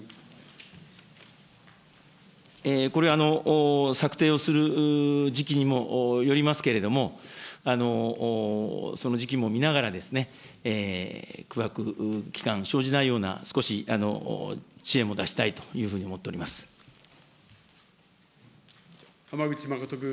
これ、策定をする時期にもよりますけれども、その時期も見ながら、空白期間生じないような少し支援も出したいというふうに思ってお浜口誠君。